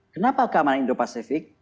kenapa keamanan indo pasifik